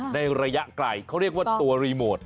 ในระยะไกลเขาเรียกว่าตัวรีโมท